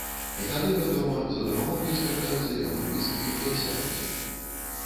І тады, вядома, за дапамогай звяртаюцца яго блізкія і асяроддзе.